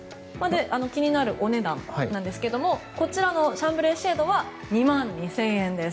気になるお値段なんですけれどもこちらのシャンブレーシェードは２万２０００円です。